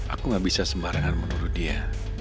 aku gak bisa sembarangan menurut dia